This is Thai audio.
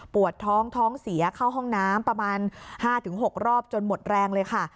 ปวดท้องท้องเสียเข้าห้องน้ำประมาณ๕๖รอบจนหมดแรงเลยค่ะ